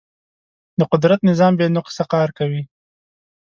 د قدرت نظام بې نقصه کار کوي.